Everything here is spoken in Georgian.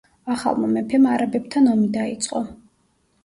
ახალმა მეფემ არაბებთან ომი დაიწყო.